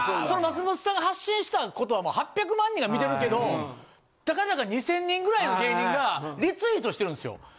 その松本さんが発信したことは８００万人が見てるけどたかだか２０００人ぐらいの芸人がリツイートしてるんですよ。